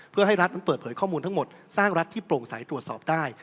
เพื่อให้รัฐนั้นเปิดเผยข้อมูลทั้งหมดสร้างรัฐที่โปร่งใสตรวจสอบได้